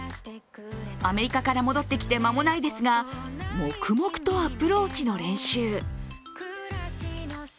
アメリカから戻ってきて間もないですが、黙々とアプローチの練習。